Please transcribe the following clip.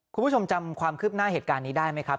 คุณผู้ชมจำความคืบหน้าเหตุการณ์นี้ได้ไหมครับ